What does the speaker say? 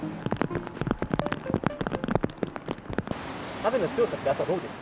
雨の強さって、朝どうでした？